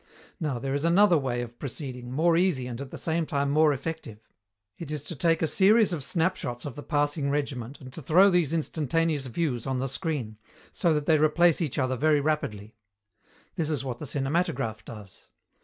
Now, there is another way of proceeding, more easy and at the same time more effective. It is to take a series of snapshots of the passing regiment and to throw these instantaneous views on the screen, so that they replace each other very rapidly. This is what the cinematograph does.